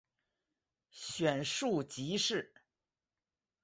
选庶吉士。